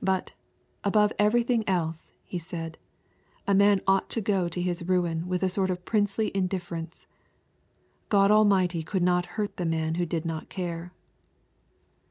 But, above everything else, he said, a man ought to go to his ruin with a sort of princely indifference. God Almighty could not hurt the man who did not care.